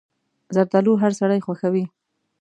زردالو هر سړی خوښوي.